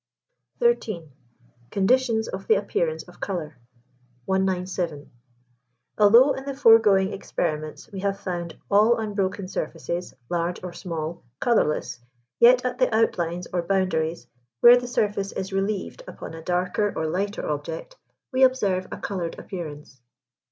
XIII. CONDITIONS OF THE APPEARANCE OF COLOUR. 197. Although in the foregoing experiments we have found all unbroken surfaces, large or small, colourless, yet at the outlines or boundaries, where the surface is relieved upon a darker or lighter object, we observe a coloured appearance.